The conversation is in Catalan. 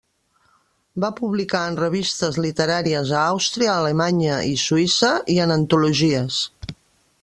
Va publicar en revistes literàries a Àustria, Alemanya i Suïssa, i en antologies.